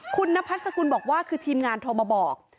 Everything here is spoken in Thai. คุณนพัฒน์สกุลบอกว่าคือทีมงานโทรมาบอก